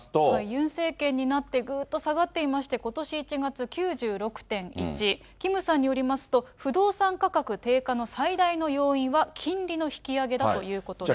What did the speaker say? ユン政権になってぐっと下がっていまして、ことし１月、９６．１、キムさんによりますと、不動産価格低下の最大の要因は金利の引き上げだということです。